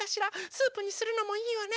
スープにするのもいいわね！